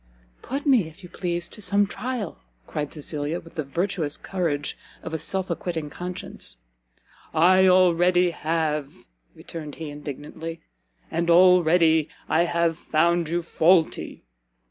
"Put me, if you please, to some trial!" cried Cecilia, with the virtuous courage of a self acquitting conscience. "I already have!" returned he, indignantly, "and already I have found you faulty!"